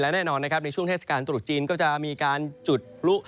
แน่นอนนะครับในช่วงเทศกาลตรุษจีนก็จะมีการจุดพลุ